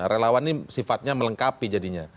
relawan ini sifatnya melengkapi jadinya